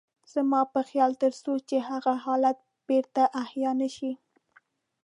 زما په خيال تر څو چې هغه حالت بېرته احيا نه شي.